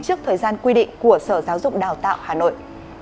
trước thời gian quy định của sở giáo dục đào tạo hà nội